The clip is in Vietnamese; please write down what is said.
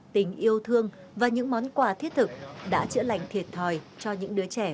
tình yêu thương và những món quà thiết thực đã chữa lành thiệt thòi cho những đứa trẻ